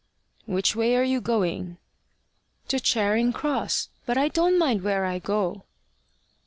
"Which way are you going?" "To Charing Cross; but I don't mind where I go."